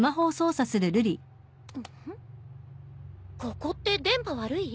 ここって電波悪い？